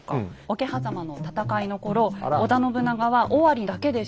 桶狭間の戦いの頃織田信長は尾張だけでした。